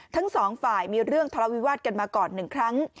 ทั้งสองฝ่ายมีเรื่องทะเลาวิวาสกันมาก่อน๑ครั้ง